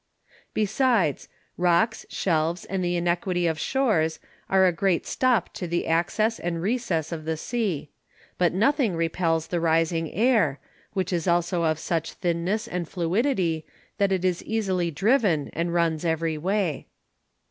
Besides, Rocks, Shelves, and the inequality of Shoars are a great stop to the Access and Recess of the Sea: But nothing repels the rising Air, which is also of such thinness and fluidity, that it is easily driven, and runs every way.